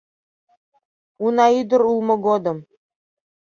Уна ӱдыр улмо годым